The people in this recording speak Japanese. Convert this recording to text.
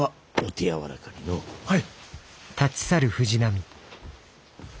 はい！